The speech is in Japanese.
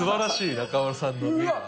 中丸さんの目が。